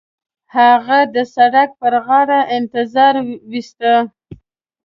هغه د سړک پر غاړه انتظار وېسته.